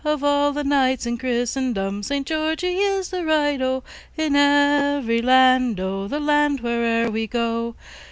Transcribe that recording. Of all the Knights in Christendom, Saint Georgy is the right, O! In every land, O, The land where'er we go.